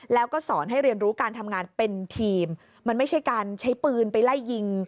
แล้วก็สอนให้เรียนรู้การทำงานเป็นทีมมันไม่ใช่การใช้ปืนไปไล่ยิง